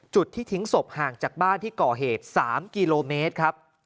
จุดที่ทิ้งศพห่างจากบ้านที่ก่อเหตุ๓กิโลเมตรครับ